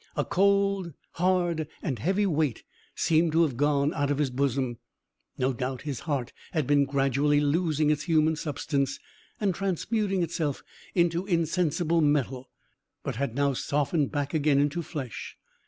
A cold, hard, and heavy weight seemed to have gone out of his bosom. No doubt, his heart had been gradually losing its human substance, and transmuting itself into insensible metal, but had now softened back again into flesh.